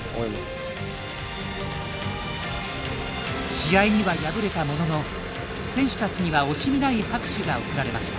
試合には敗れたものの選手たちには惜しみない拍手が送られました。